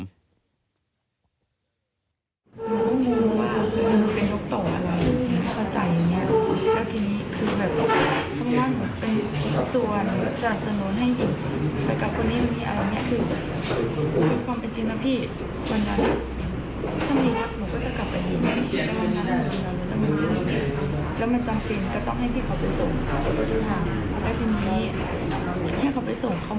ผู้ที่รับความจริงของตัวเองก็ต้องรับความจริงของตัวเอง